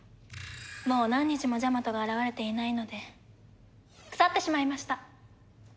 もう何日もジャマトが現れていないので腐ってしまいました。